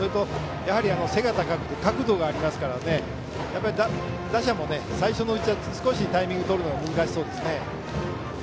やはり背が高くて角度がありますから打者も最初のうちは少しタイミングとるのが難しそうですね。